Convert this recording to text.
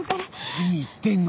何言ってんの！